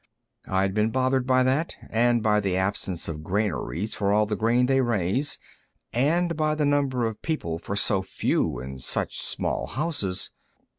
I'd been bothered by that, and by the absence of granaries for all the grain they raise, and by the number of people for so few and such small houses.